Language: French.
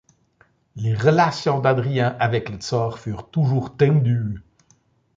Les relations d'Adrien avec le tsar furent toujours tendues.